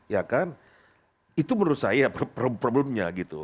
ya kan itu menurut saya problemnya gitu